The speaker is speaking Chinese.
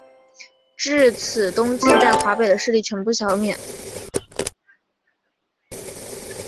至此东晋在华北的势力全部消灭。